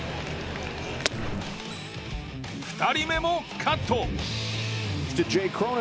２人目もカット。